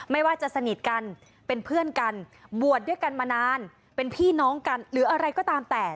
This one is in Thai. ไม่ว่าจะสนิทกันเป็นเพื่อนกันบวชด้วยกันมานานเป็นพี่น้องกันหรืออะไรก็ตามแต่